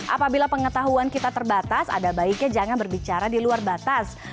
apabila pengetahuan kita terbatas ada baiknya jangan berbicara di luar batas